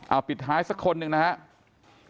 เอาปิดท้ายสักคนหนึ่งนะครับ